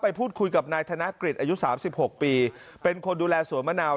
พูดคุยกับนายธนกฤษอายุ๓๖ปีเป็นคนดูแลสวนมะนาว